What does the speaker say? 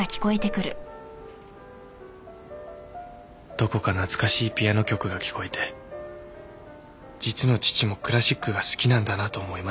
どこか懐かしいピアノ曲が聞こえて実の父もクラシックが好きなんだなと思いました。